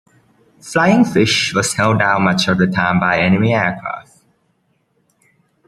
"Flying Fish" was held down much of the time by enemy aircraft.